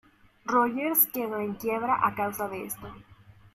Rogers quedó en quiebra a causa de esto.